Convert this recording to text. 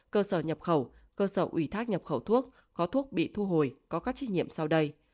cơ sở nhập khẩu cơ sở ủy thác nhập khẩu thuốc có thuốc bị thu hồi có các trách nhiệm sau đây